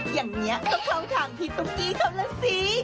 อย่างนี้ก็เข้าทางพี่ตุ๊กกี้เขาล่ะสิ